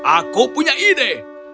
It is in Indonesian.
aku punya ide